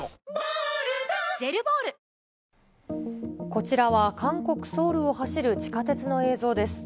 こちらは、韓国・ソウルを走る地下鉄の映像です。